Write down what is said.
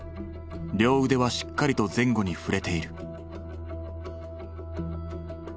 両腕はしっかりと前後に振れている。